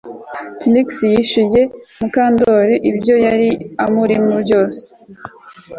Trix yishyuye Mukandoli ibyo yari amurimo byose